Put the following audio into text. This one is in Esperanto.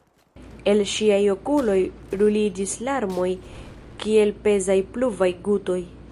El ŝiaj okuloj ruliĝis larmoj kiel pezaj pluvaj gutoj.